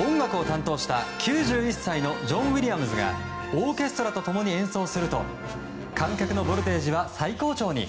音楽を担当した９１歳のジョン・ウィリアムズがオーケストラと共に演奏すると観客のボルテージは最高潮に。